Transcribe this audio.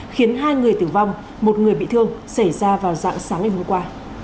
khiến hai người tử vong một người bị thương xảy ra vào dạng sáng ngày hôm qua